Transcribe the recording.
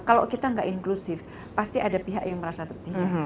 kalau kita nggak inklusif pasti ada pihak yang merasa tertinggal